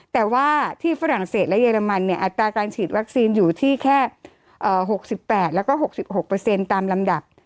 แต่ว่าที่ฝรั่งเศสและเยอรมันเนี่ยอัตราการฉีดวัคซีนอยู่ที่แค่๖๘แล้วก็๖๖ตามลำดับ